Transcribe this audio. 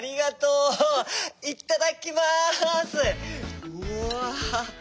うわ。